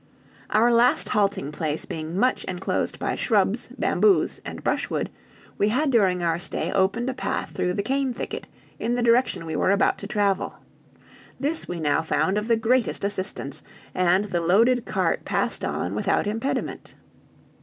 Our last halting place being much enclosed by shrubs, bamboos, and brushwood, we had during our stay opened a path through the cane thicket in the direction we were about to travel; this we now found of the greatest assistance, and the loaded cart passed on without impediment.